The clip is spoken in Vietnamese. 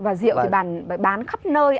và rượu thì bán khắp nơi